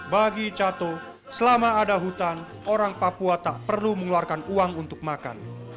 bagi cato selama ada hutan orang papua tak perlu mengeluarkan uang untuk makan